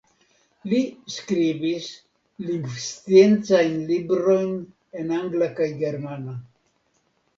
Li skribis lingvsciencajn librojn en angla kaj germana.